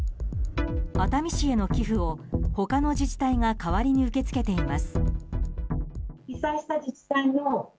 熱海市への寄付を、他の自治体が代わりに受け付けています。